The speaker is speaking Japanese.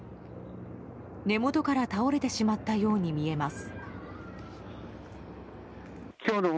根元から倒れてしまったように見えます。